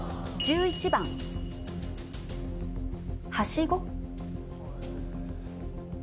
１１番はしご